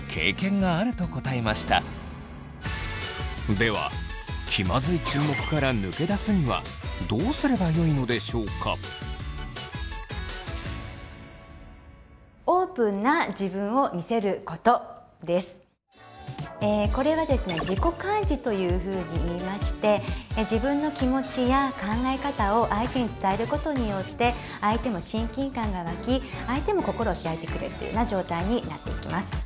ではこれはですね自己開示というふうにいいまして自分の気持ちや考え方を相手に伝えることによって相手も親近感が湧き相手も心を開いてくれるというような状態になっていきます。